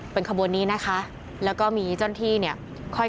เป็นขบวนนี้นะคะแล้วก็มีจ้อนที่เนี่ย